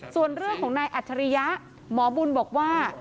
ส่วนเรื่องของนายอัจฉริยะหมอบุญบอกว่า